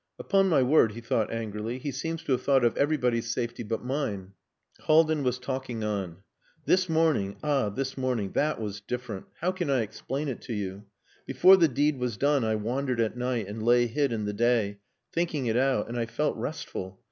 "Upon my word," he thought angrily, "he seems to have thought of everybody's safety but mine." Haldin was talking on. "This morning ah! this morning that was different. How can I explain to you? Before the deed was done I wandered at night and lay hid in the day, thinking it out, and I felt restful.